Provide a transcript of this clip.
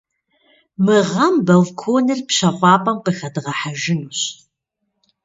Мы гъэм балконыр пщэфӏапӏэм къыхэдгъэхьэжынущ.